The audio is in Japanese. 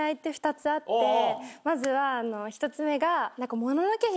まずは１つ目が。